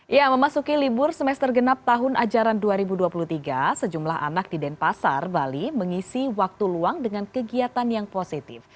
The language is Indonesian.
ya memasuki libur semester genap tahun ajaran dua ribu dua puluh tiga sejumlah anak di denpasar bali mengisi waktu luang dengan kegiatan yang positif